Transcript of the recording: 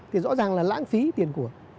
thì rõ ràng là lãng phí tiền của